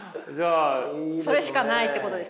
それしかないってことですね。